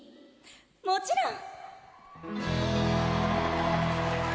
もちろん！